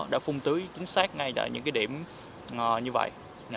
để phun tưới chính xác ngay tại những cái điểm như vậy